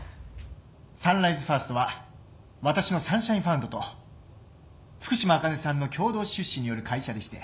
サンライズファーストは私のサンシャインファンドと福島あかねさんの共同出資による会社でして。